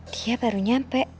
dia baru nyampe